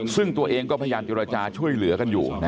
ซึ่งตัวเองก็พยายามเจรจาช่วยเหลือกันอยู่